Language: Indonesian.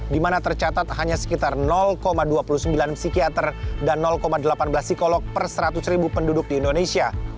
di mana tercatat hanya sekitar dua puluh sembilan psikiater dan delapan belas psikolog per seratus ribu penduduk di indonesia